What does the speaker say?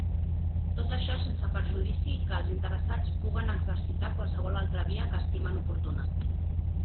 Tot això sense perjudici que els interessats puguen exercitar qualsevol altra via que estimen oportuna.